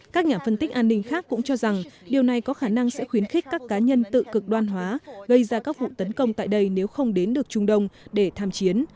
các nhà phân tích an ninh khác cũng cho rằng điều này có khả năng sẽ khuyến khích các cá nhân tự cực đoan hóa gây ra các vụ tấn công tại đây nếu không đến được trung đông để tham chiến